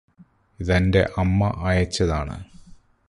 ഇതെന്റെ അമ്മ അയച്ചതാണ്